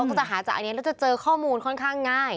ก็จะหาจากอันนี้แล้วจะเจอข้อมูลค่อนข้างง่าย